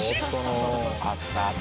あったな。